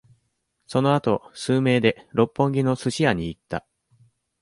そのあと、数名で、六本木のスシ屋に行った。